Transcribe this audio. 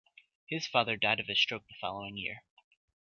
His father died of a stroke the following year.